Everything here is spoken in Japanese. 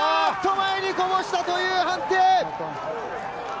前にこぼしたという判定！